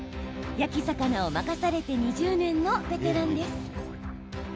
焼き魚を任されて２０年のベテランです。